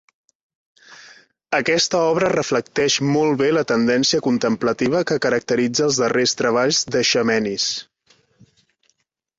Aquesta obra reflecteix molt bé la tendència contemplativa que caracteritza els darrers treballs d’Eiximenis.